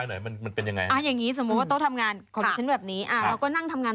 อยกไปสิ้นที่ด้วยหรือเปล่าก็ค่ะจริงโต๊ะนี้สวยกว่าโต๊ะจริง